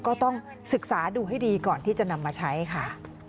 ก็ต้องศึกษาดูให้ดีก่อนที่จะนำมาใช้ค่ะ